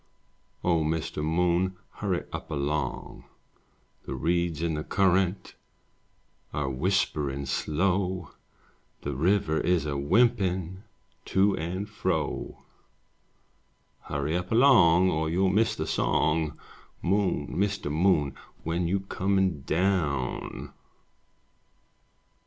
O Mr. Moon, Hurry up along! The reeds in the current Are whisperin* slow; The river 's a wimplin' To and fro. Hurry up along. Or you'll miss the song! Moon, Mr. Moon, When you comin' down?